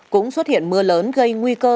cũng xuất hiện mưa lớn gây nguy cơ